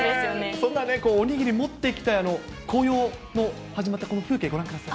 そんなね、お握り持っていきたい紅葉も始まったこの風景、ご覧ください。